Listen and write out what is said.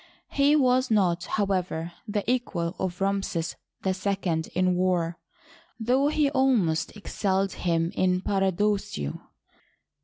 He was not, however, the equal of Ramses II in war, though he almost excelled him in braggadocio.